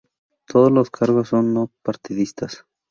Todas los cargos son no partidistas.